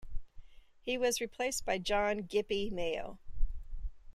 He was replaced by John 'Gypie' Mayo.